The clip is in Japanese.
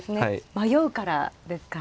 迷うからですか？